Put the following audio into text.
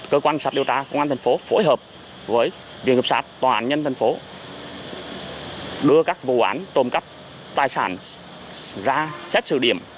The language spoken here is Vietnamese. cơ quan sát liêu tra công an thành phố phối hợp với viện hợp sát tòa án nhân thành phố đưa các vụ án tồn cấp tài sản ra xét sự điểm